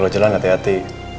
kalau jalan hati hati